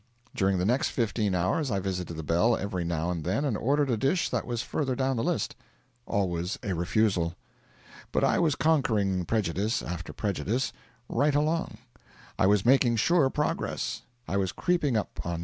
During the next fifteen hours I visited the bell every now and then and ordered a dish that was further down the list. Always a refusal. But I was conquering prejudice after prejudice, right along; I was making sure progress; I was creeping up on No.